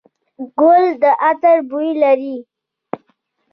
ګل د عطر بوی لري.